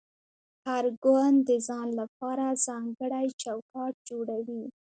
هر ګوند د ځان لپاره ځانګړی چوکاټ جوړوي